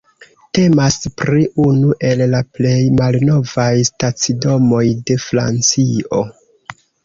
Temas pri unu el la plej malnovaj stacidomoj de Francio.